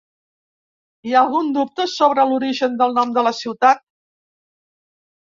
Hi ha algun dubte sobre l'origen del nom de la ciutat.